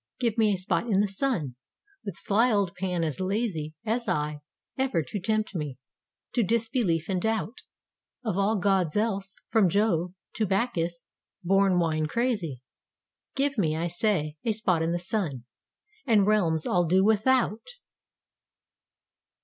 Give me a spot in the sun: With sly old Pan as lazy As I, ever to tempt me To disbelief and doubt Of all gods else, from Jove To Bacchus born wine crazy. Give me, I say, a spot in the sun, And Realms I'll do without!